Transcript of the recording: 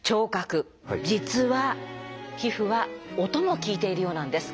実は皮膚は音も聞いているようなんです。